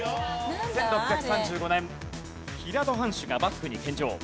１６３５年平戸藩主が幕府に献上。